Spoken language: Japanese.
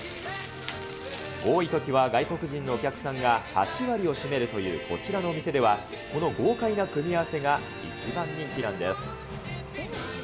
多いときは外国人のお客さんが８割を占めるというこちらの店では、この豪快な組み合わせが一番人気なんです。